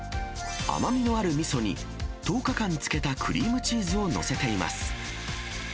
甘みのあるみそに、１０日間漬けたクリームチーズを載せています。